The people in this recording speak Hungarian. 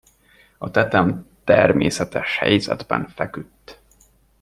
A tetem természetes helyzetben feküdt.